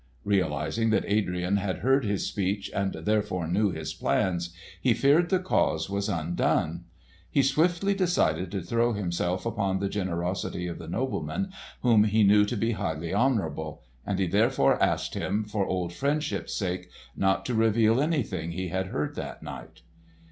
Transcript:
Realising that Adrian had heard his speech and therefore knew his plans, he feared the cause was undone. He swiftly decided to throw himself upon the generosity of the nobleman, whom he knew to be highly honourable, and he therefore asked him, for old friendship's sake, not to reveal anything he had heard that night.